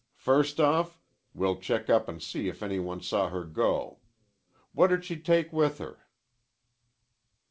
"First off, we'll check up an' see if any one saw her go. What did she take with her?"